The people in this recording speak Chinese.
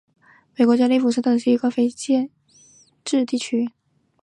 俄勒冈城是位于美国加利福尼亚州比尤特县的一个非建制地区。